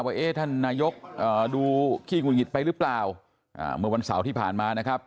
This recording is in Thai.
ว่าอนายกดูชิดผุมสมามงิษฐร์ไปหรือเปล่าเมื่อวันเสาร์ที่ผ่านมานะครับ